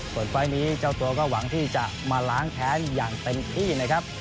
ส่วนไฟล์นี้เจ้าตัวก็หวังที่จะมาล้างแค้นอย่างเต็มที่นะครับ